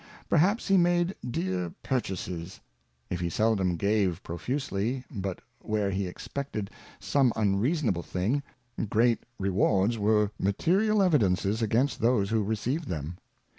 Perhaps he made dear Purchases : If he seldom gave pro fusely, but where he expected some unreasonable thing, great Rewards were material Evidences against those who received them.